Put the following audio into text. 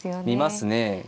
見ますね。